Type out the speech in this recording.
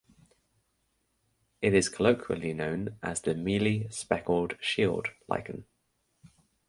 It is colloquially known as the mealy speckled shield lichen.